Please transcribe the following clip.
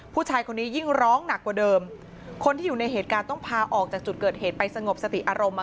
ผู้ชายคนนี้ยิ่งร้องหนักกว่าเดิมคนที่อยู่ในเหตุการณ์ต้องพาออกจากจุดเกิดเหตุไปสงบสติอารมณ์มา